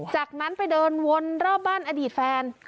จากนั้นไปเดินวนรอบบ้านอดีตแฟน